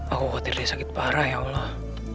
aku khawatir dia sakit parah ya allah